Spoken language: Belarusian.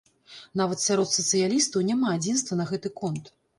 Нават сярод сацыялістаў няма адзінства на гэты конт.